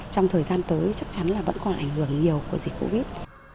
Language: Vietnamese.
trong thời gian tới chắc chắn là vẫn còn ảnh hưởng nhiều của dịch covid